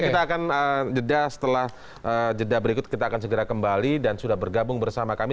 kita akan jeda setelah jeda berikut kita akan segera kembali dan sudah bergabung bersama kami